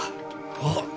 あっ。